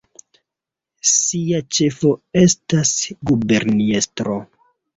Sia ĉefo estas guberniestro.